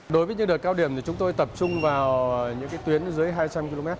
đối với những đợt cao điểm thì chúng tôi tập trung vào những tuyến dưới hai trăm linh km